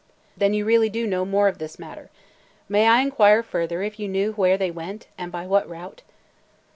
"Then you really do know more of this matter. May I inquire further if you know where they went – and by what route?"